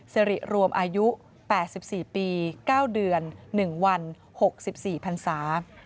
สิริรวมอายุ๘๔ปี๙เดือน๑วัน๖๔พันศา